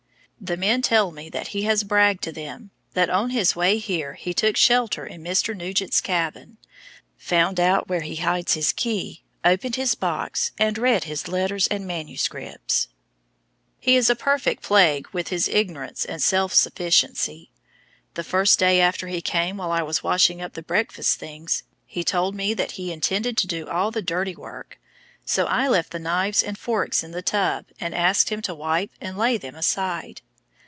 The men tell me that he has "bragged" to them that on his way here he took shelter in Mr. Nugent's cabin, found out where he hides his key, opened his box, and read his letters and MSS. He is a perfect plague with his ignorance and SELF sufficiency. The first day after he came while I was washing up the breakfast things he told me that he intended to do all the dirty work, so I left the knives and forks in the tub and asked him to wipe and lay them aside.